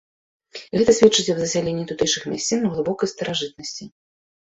Гэта сведчыць об засяленні тутэйшых мясцін у глыбокай старажытнасці.